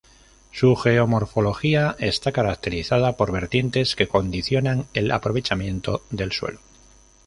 Su geomorfología está caracterizada por vertientes que condicionan el aprovechamiento del suelo.